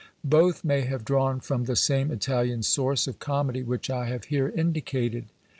Both may have drawn from the same Italian source of comedy which I have here indicated.